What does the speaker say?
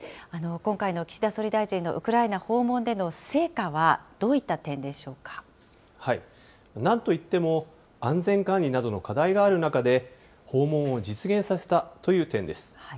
今回の岸田総理大臣のウクライナ訪問での成果はどういった点でしなんといっても、安全管理などの課題がある中で、訪問を実現させたという点です。